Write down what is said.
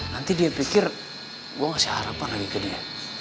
nanti dia pikir gue ngasih harapan lagi ke dia